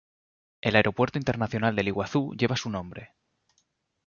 El Aeropuerto internacional del Iguazú lleva su nombre.